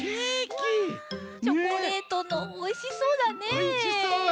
チョコレートのおいしそうだね。